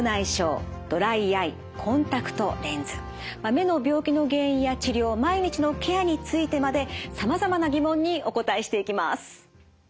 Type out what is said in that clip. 目の病気の原因や治療毎日のケアについてまでさまざまな疑問にお答えしていきます。